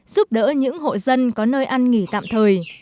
giúp đỡ những hộ dân có nơi ăn nghỉ tạm thời